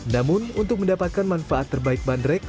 namun untuk mendapatkan manfaat terbaik bandrek